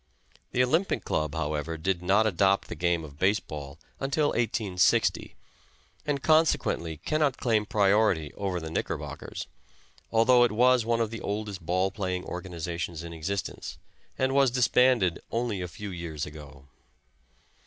The Olympic Club, however, did not adopt the game of base ball until 1860, and consequently cannot claim priority over the Knickerbockers, although it was one of the oldest ball playing organizations in existence, and was disbanded only a few years ago.